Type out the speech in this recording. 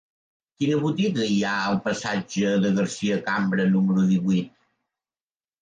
Quina botiga hi ha al passatge de Garcia Cambra número divuit?